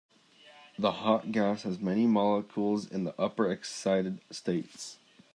The hot gas has many molecules in the upper excited states.